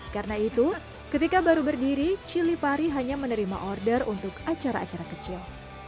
karena itu ketika baru berdiri cili pari hanya menerima order untuk acara acara kecil